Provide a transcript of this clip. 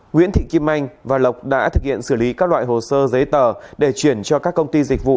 nguyễn thị kim anh và lộc đã thực hiện xử lý các loại hồ sơ giấy tờ để chuyển cho các công ty dịch vụ